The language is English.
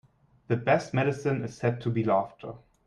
The best medicine is said to be laughter.